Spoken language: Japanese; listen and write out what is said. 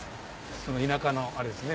田舎のあれですね。